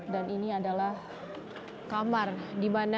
ini adalah kamar di mana